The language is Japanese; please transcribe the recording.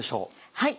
はい。